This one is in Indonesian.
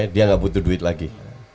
dia nggak butuh duit lagi